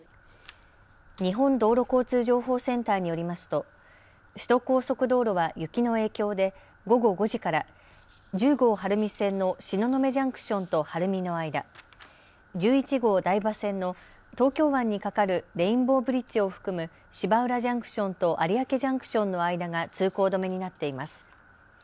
日本道路交通情報センターによりますと首都高速道路は雪の影響で午後５時から１０号晴海線の東雲ジャンクションと晴海の間、１１号台場線の東京湾に架かるレインボーブリッジを含む芝浦ジャンクションと有明ジャンクションの間が通行止めになっています。